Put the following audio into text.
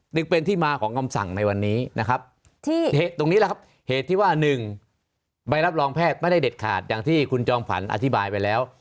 จึงเป็นที่มาของคำสั่งในวันนี้นะครับที่ตรงนี้แหละครับเหตุที่ว่า๑ใบรับรองแพทย์ไม่ได้เด็ดขาดอย่างที่คุณจอมขวัญอธิบายไปแล้ว